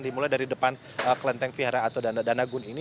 dimulai dari depan kelenteng vihara atau danagun ini